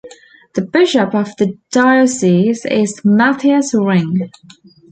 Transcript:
The bishop of the diocese is Matthias Ring.